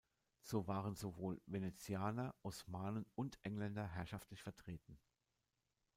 So waren sowohl Venezianer, Osmanen und Engländer herrschaftlich vertreten.